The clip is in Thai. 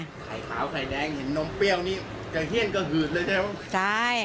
ไข่ขาวไข่แดงเห็นนมเปรี้ยวนี่กระเฮียนกระหืดเลยใช่ไหมใช่